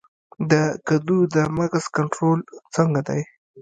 د کدو د مګس کنټرول څنګه دی؟